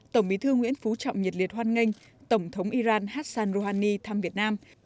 tổng bí thư nguyễn phú trọng nhiệt liệt hoan nghênh tổng thống iran hassan rouhani thăm việt nam